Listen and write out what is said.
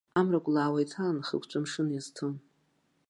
Амра кәлаауа иҭаланы хыгәҵәы амшын иазцон.